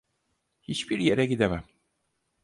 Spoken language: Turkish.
Hiçbir yere gidemem.